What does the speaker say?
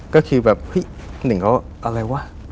ก็คือแบบเฮ้ยหนึ่งเขาอะไรวะ